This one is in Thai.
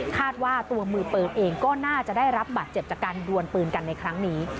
ว่าตัวมือปืนเองก็น่าจะได้รับบาดเจ็บจากการดวนปืนกันในครั้งนี้